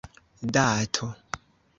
dato